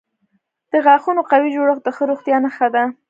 د غاښونو قوي جوړښت د ښه روغتیا نښه ده.